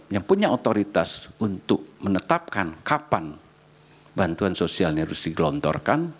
yang punya otoritas untuk menetapkan kapan bantuan sosial ini harus digelontorkan